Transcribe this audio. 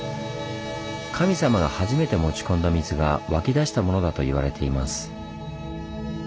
神様が初めて持ち込んだ水が湧き出したものだといわれています。